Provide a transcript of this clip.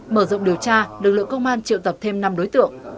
mở rộng điều tra lực lượng công an triệu tập thêm năm đối tượng